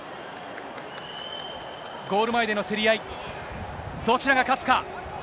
ゴール前での競り合い、どちらが勝つか。